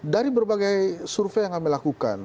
dari berbagai survei yang kami lakukan